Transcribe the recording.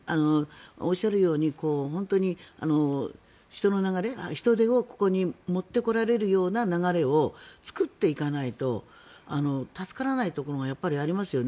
おっしゃるように本当に人の流れ、人手をここに持ってこられるような流れを作っていかないと助からないところがありますよね。